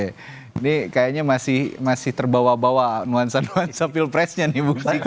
ini kayaknya masih terbawa bawa nuansa nuansa pilpresnya nih